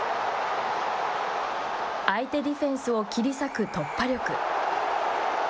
相手ディフェンスを切り裂く突破力。